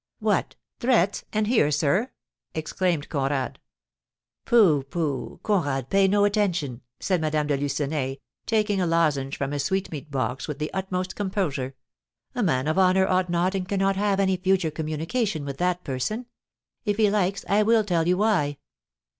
"What, threats! and here, sir?" exclaimed Conrad. "Pooh, pooh! Conrad, pay no attention," said Madame de Lucenay, taking a lozenge from a sweetmeat box with the utmost composure; "a man of honour ought not and cannot have any future communication with that person. If he likes, I will tell you why."